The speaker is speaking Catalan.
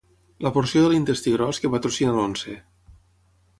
La porció de l'intestí gros que patrocina l'Once.